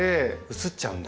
移っちゃうんだ。